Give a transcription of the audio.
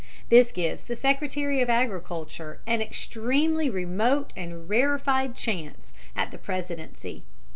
This gives the Secretary of Agriculture an extremely remote and rarefied chance at the Presidency.